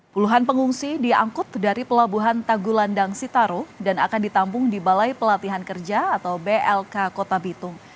puluhan pengungsi diangkut dari pelabuhan tagulandang sitaro dan akan ditampung di balai pelatihan kerja atau blk kota bitung